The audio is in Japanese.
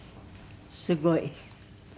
すごい。